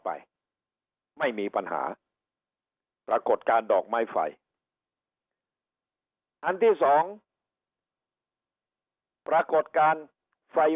ไปไม่มีปัญหาปรากฏการณ์ดอกไม้ไฟอันที่สองปรากฏการณ์ไฟ